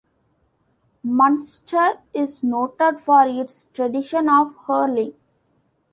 Munster is noted for its tradition of hurling.